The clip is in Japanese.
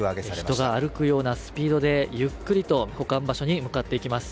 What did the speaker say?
人が歩くようなスピードでゆっくりと保管場所に向かっていきます。